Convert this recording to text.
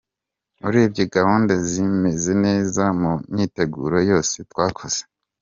Urebye gahunda zimeze neza mu myiteguro yose twakoze.